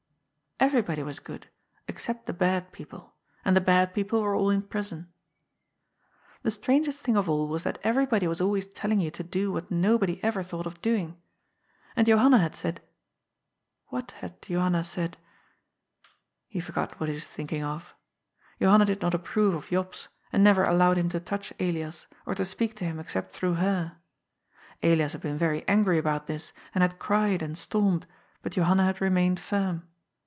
Everybody was good, except the bad people; and the bad people were all in prison. The strangest thing of all was that everybody was always telling you to do what nobody ever thought of doing. And Johanna had said What had Johanna said ? He forgot what he was thinking of. Johanna did not ap prove of Jops, and never allowed him to touch Elias, or to speak to him except through her. Elias had been very angry about this, and had cried and stormed, but Johanna had remained firm.